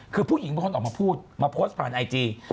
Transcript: คือผู้หญิงเป็นคนออกมาพูดมาโพสต์ผ่านไอจี